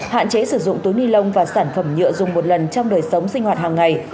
hạn chế sử dụng túi ni lông và sản phẩm nhựa dùng một lần trong đời sống sinh hoạt hàng ngày